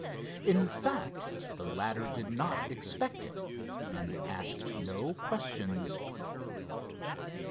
In fact the latter did not expect it, and asked no questions.